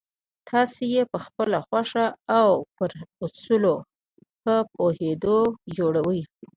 تاسې یې پخپله خوښه او پر اصولو په پوهېدو جوړوئ